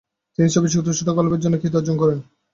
তিনি ছবিযুক্ত ছোট গল্পের জন্য খ্যাতি অর্জন করেন।